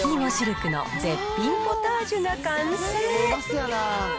くの絶品ポタージュが完成。